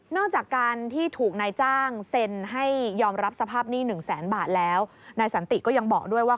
นอกจากการที่ถูกนายจ้างเซ็นให้ยอมรับสภาพหนี้๑แสนบาทแล้ว